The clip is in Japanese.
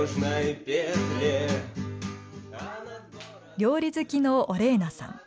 料理好きのオレーナさん。